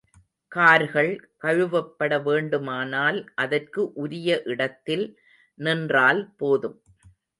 கார்கள் கழுவப்பட வேண்டுமானால் அதற்கு உரிய இடத்தில் நின்றால் போதும்.